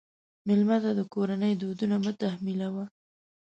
مېلمه ته د کورنۍ دودونه مه تحمیلوه.